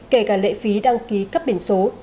kể cả lệ phí đăng ký cấp biển số